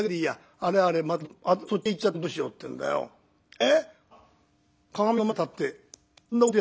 あれあれまたそっちへ行っちゃってどうしようっていうんだよええ？